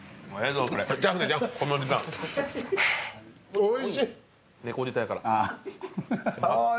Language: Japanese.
おいしい。